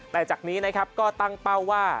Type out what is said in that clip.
แต่จากนี้นะครับก็ตั้งเป้าว่า